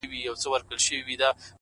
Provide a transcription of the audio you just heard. زه خو پاچا نه؛ خپلو خلگو پر سر ووهلم!